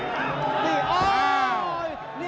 ตีโอ้ยเรียบร้อยเลยไหมลูกนี้